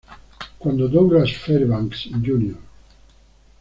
Cuando Douglas Fairbanks, Jr.